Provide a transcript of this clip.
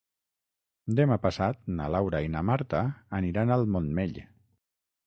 Demà passat na Laura i na Marta aniran al Montmell.